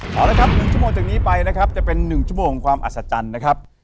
เอาละครับ๑ชั่วโมงจากนี้ไปนะครับจะเป็น๑ชั่วโมงของความอัศจรรย์นะครับ